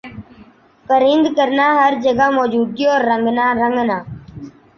پرند کرنا ہَر جگہ موجودگی اور رنگنا رنگنا